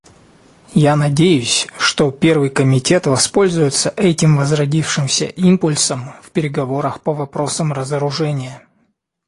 Я надеюсь, что Первый комитет воспользуется этим возродившимся импульсом в переговорах по вопросам разоружения.